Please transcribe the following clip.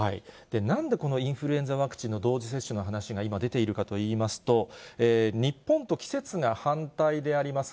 なんでこのインフルエンザワクチンの同時接種の話が今、出ているかといいますと、日本と季節が反対であります